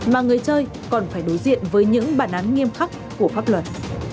mà người chơi còn phải đối diện với những bản án nghiêm khắc của pháp luật